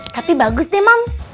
tapi bagus deh mam